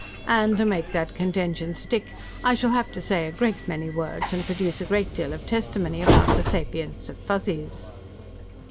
And to make that contention stick, I shall have to say a great many words, and produce a great deal of testimony, about the sapience of Fuzzies."